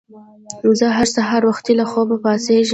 زه هر سهار وختي له خوبه پاڅیږم.